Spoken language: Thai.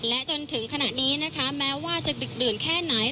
และจนถึงขณะนี้นะคะแม้ว่าจะดึกดื่นแค่ไหน